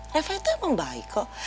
reva itu emang baik kok